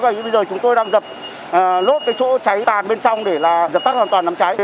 và như bây giờ chúng tôi đang dập lốt cái chỗ cháy tàn bên trong để là dập tắt hoàn toàn đám cháy